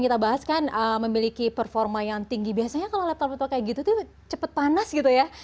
kita bahas kan memiliki performa yang tinggi biasanya kalau laptop laptop kayak gitu tuh cepat panas gitu ya